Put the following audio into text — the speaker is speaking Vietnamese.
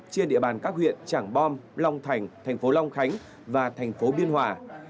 trên địa bàn các huyện trảng bom long thành thành phố long khánh và thành phố biên hòa